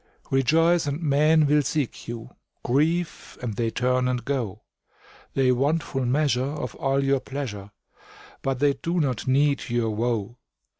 Rejoice, and men will seek you; Grieve, and they turn and go; They want full measure of all your pleasure, But they do not need your woe.